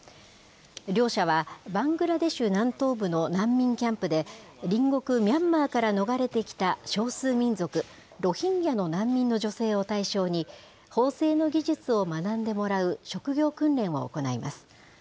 両者は、バングラデシュ南東部の難民キャンプで、隣国、ミャンマーから逃れてきた少数民族、ロヒンギャの難民の女性を対象に、縫製の技術を学んでもらう職業訓練を行います。